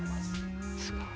すごい。